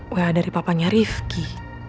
wah dari papanya rifqi